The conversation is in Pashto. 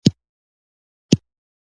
هغه ماته يوه ډالۍ راکړه.